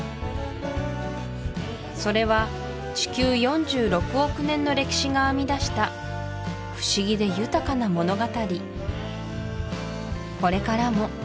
それは地球４６億年の歴史が編み出した不思議で豊かな物語